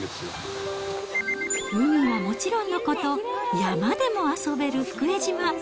海はもちろんのこと、山でも遊べる福江島。